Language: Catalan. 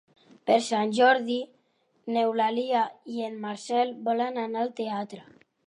Per Sant Jordi n'Eulàlia i en Marcel volen anar al teatre.